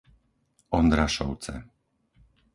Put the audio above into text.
Ondrašovce